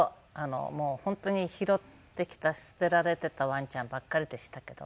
もう本当に拾ってきた捨てられてたワンちゃんばっかりでしたけども。